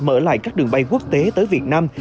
mở lại các đường bay quốc tế tới việt nam